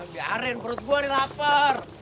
biarin perut gue nih lapar